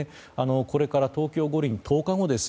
これから東京五輪１０日後です。